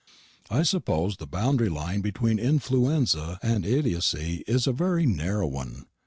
I suppose the boundary line between influenza and idiocy is a very narrow one.